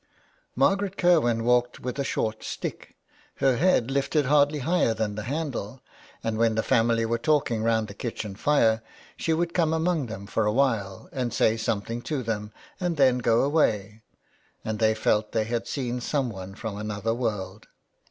Margaret Kirwin walked with a short stick, her head lifted hardly higher than the handle and when the family were talking round the kitchen fire she 247 THE WEDDING GOWN. would come among them for a while and say some thing to them, and then go away, and they felt they had seen someone from another world.